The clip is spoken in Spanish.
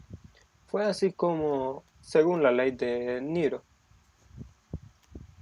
Fue así como, según la ley Nro.